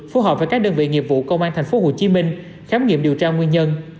phù hợp với các đơn vị nghiệp vụ công an tp hồ chí minh khám nghiệm điều tra nguyên nhân